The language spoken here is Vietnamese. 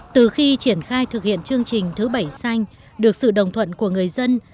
từ khi triển khai thực hiện chương trình thứ bảy xanh được sự đồng thuận của người dân